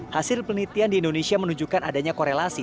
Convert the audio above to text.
hasil penelitian di indonesia menunjukkan adanya korelasi